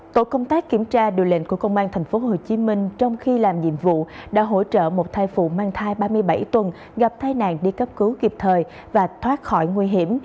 tổ công tác kiểm tra điều lệnh của công an tp hcm trong khi làm nhiệm vụ đã hỗ trợ một thai phụ mang thai ba mươi bảy tuần gặp tai nạn đi cấp cứu kịp thời và thoát khỏi nguy hiểm